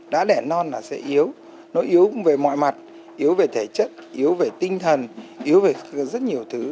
đá đẻ non là sẽ yếu nó yếu cũng về mọi mặt yếu về thể chất yếu về tinh thần yếu về rất nhiều thứ